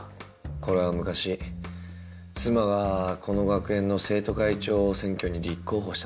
これは昔妻がこの学園の生徒会長選挙に立候補した時の。